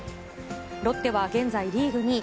ロッテは現在、リーグ２位。